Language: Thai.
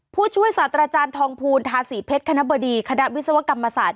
ผู้ช่วยศาสตราจารย์ทองภูลทาสีเพชรคณะบดีคณะวิศวกรรมศาสต